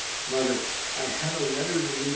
Mother, I had a letter in the N. Y.